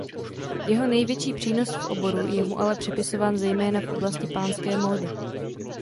Jeho největší přínos v oboru je mu ale připisován zejména v oblasti pánské módy.